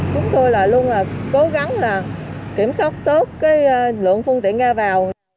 chúng tôi luôn cố gắng kiểm soát tốt lượng phương tiện ra vào